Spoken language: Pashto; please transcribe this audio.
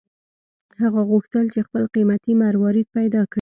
هغه غوښتل چې خپل قیمتي مروارید پیدا کړي.